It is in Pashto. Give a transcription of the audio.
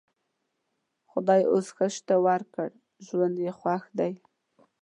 خدای اوس ښه شته ورکړ؛ ژوند یې خوښ دی.